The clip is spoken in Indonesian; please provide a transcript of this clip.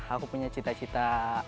aku punya cita cita